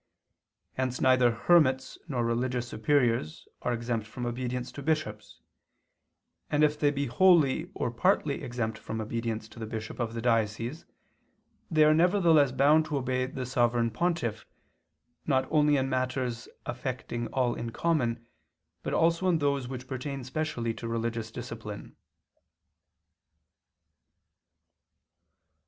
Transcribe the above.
Hence neither hermits nor religious superiors are exempt from obedience to bishops; and if they be wholly or partly exempt from obedience to the bishop of the diocese, they are nevertheless bound to obey the Sovereign Pontiff, not only in matters affecting all in common, but also in those which pertain specially to religious discipline.